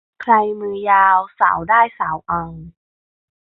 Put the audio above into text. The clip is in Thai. ใครมือยาวสาวได้สาวเอา